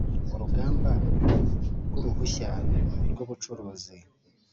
Urugamba Ry Uruhushya Rw Ubucukuzi